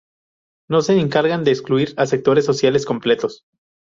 no se encargan de excluir a sectores sociales completos